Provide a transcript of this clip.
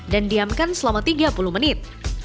dan diamkan selama tiga puluh menit